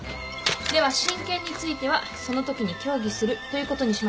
では親権についてはそのときに協議するということにしましょう。